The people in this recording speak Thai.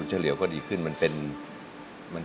เสียใจในวัด